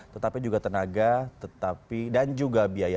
tetapi juga tenaga dan juga biaya